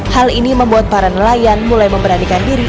hal ini membuat para nelayan mulai memberanikan diri